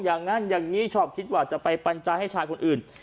อย่างนั้นอย่างนี้ชอบคิดว่าจะไปปัญญาให้ชายคนอื่น